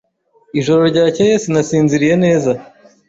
Ijoro ryakeye sinasinziriye neza.